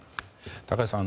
高橋さん